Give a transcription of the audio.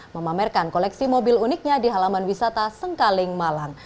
memamerkan koleksi mobil uniknya di halaman wisata sengkaling malang